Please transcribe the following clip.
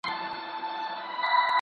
آيا په نفاس کي جماع کول جواز لري؟